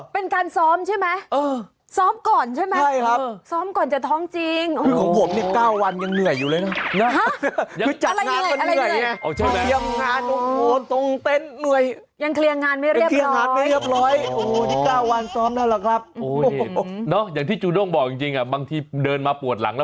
เป็นการซ้อมใช่ไหมซ้อมก่อนใช่ไหมใช่ครับซ้อมก่อนจะท้องจริงอุ้โห้อ